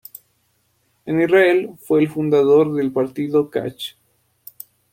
En Israel fue el fundador del partido Kach.